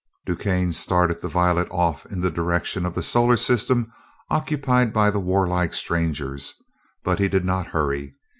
DuQuesne started the Violet off in the direction of the solar system occupied by the warlike strangers, but he did not hurry.